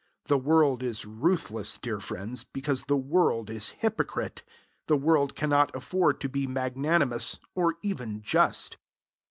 The world is ruthless, dear friends, because the world is hypocrite! The world cannot afford to be magnanimous, or even just.